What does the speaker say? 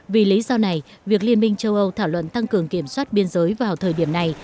vì lý do này việc liên minh châu âu thảo luận tăng cường kiểm soát biên giới vào thời điểm này